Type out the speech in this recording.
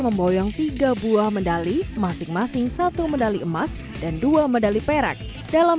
memboyong tiga buah medali masing masing satu medali emas dan dua medali perak dalam